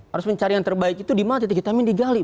harus mencari yang terbaik itu di mana titik vitamin digali